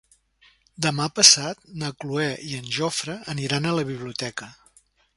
Demà passat na Cloè i en Jofre aniran a la biblioteca.